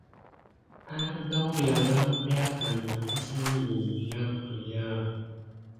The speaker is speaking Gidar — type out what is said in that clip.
Arga wəlanga mekklakan ka kəssengen gla berya an moka si.